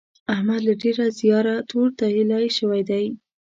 احمد له ډېره زیاره تور تېيلی شوی دی.